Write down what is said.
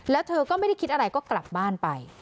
แล้วเธอก็ไม่ได้คิดอะไรก็กลับบ้านไป